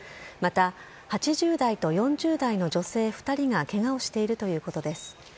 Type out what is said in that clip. また、８０代と４０代の女性２人がけがをしているということです。